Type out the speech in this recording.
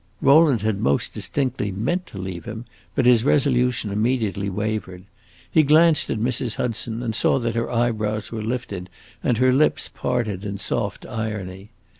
Rowland had most distinctly meant to leave him, but his resolution immediately wavered. He glanced at Mrs. Hudson and saw that her eyebrows were lifted and her lips parted in soft irony.